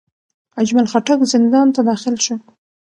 اجمل خټک زندان ته داخل شو.